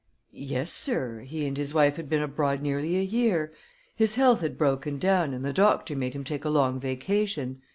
"Yes, sir; he and his wife had been abroad nearly a year. His health had broken down, and the doctor made him take a long vacation.